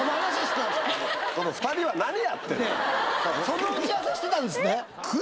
その打ち合わせしてたんですね。